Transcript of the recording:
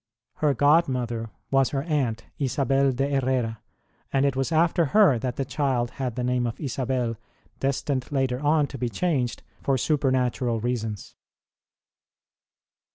Her godmother was her aunt, Isabel de Hercra, and it was after her that the child had the name of Isabel, destined later on to be changed for supernatural reasons.